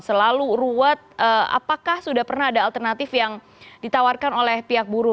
selalu ruwet apakah sudah pernah ada alternatif yang ditawarkan oleh pihak buruh